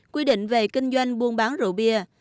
quy định về kinh doanh buôn bán rượu bia